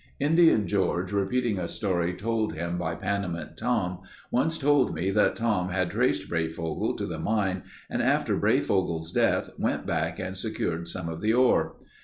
Indian George, repeating a story told him by Panamint Tom, once told me that Tom had traced Breyfogle to the mine and after Breyfogle's death went back and secured some of the ore.